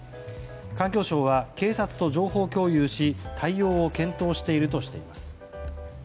環境省は警察と情報共有し対応を検討しているとしています。